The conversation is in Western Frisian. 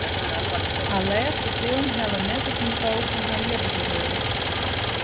Har lêste film helle net it nivo fan har eardere wurk.